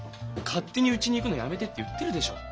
勝手にうちに行くのやめてって言ってるでしょう。